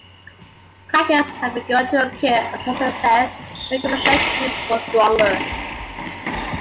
Clashes had begun to occur, and Hudson assessed that the communist-led groups were stronger.